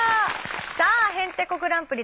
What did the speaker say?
さあ「へんてこ★グランプリ」